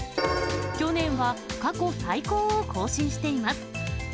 去年は過去最高を更新しています。